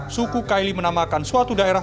suku kaili menamakan suatu daerah